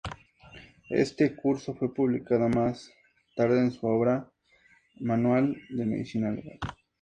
Este curso fue publicado más tarde en su obra "Manual de Medicinal Legal".